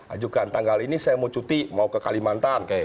ajukan tanggal ini saya mau cuti mau ke kalimantan